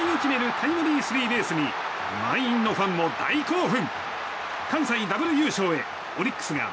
タイムリースリーベースに満員のファンも大興奮。